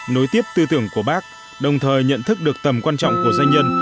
nối tiếp tư tưởng của bác đồng thời nhận thức được tầm quan trọng của doanh nhân